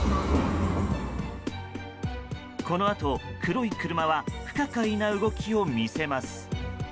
このあと、黒い車は不可解な動きを見せます。